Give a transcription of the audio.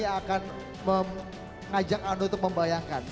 yang akan mengajak anda untuk membayangkan